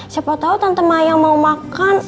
siapa tau tante mayang mau makan